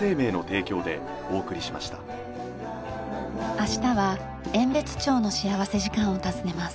明日は遠別町の幸福時間を訪ねます。